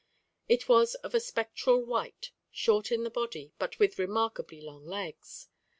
It was of a spectral white, short in the body, but with remarkably long legs.